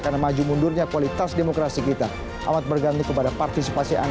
karena maju mundurnya kualitas demokrasi kita amat berganti kepada parlamen